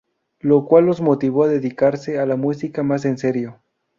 Lo cual los motivó a dedicarse a la música más en serio.